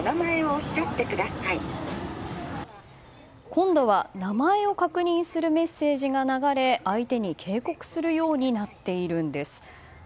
今度は、名前を確認するメッセージが流れ相手に警告するようになっているんです。